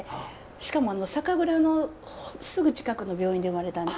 しかも酒蔵のすぐ近くの病院で生まれたんで。